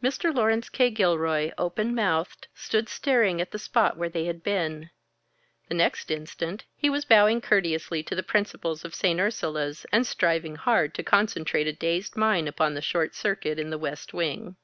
Mr. Laurence K. Gilroy, open mouthed, stood staring at the spot where they had been. The next instant, he was bowing courteously to the principals of St. Ursula's, and striving hard to concentrate a dazed mind upon the short circuit in the West Wing.